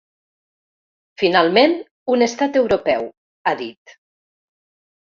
Finalment, un estat europeu, ha dit.